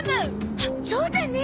あっそうだね！